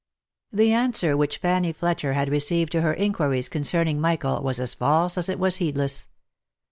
The answer which Fanny Fletcher had received to her inquiries con cerning Michael was as false as it was heedless.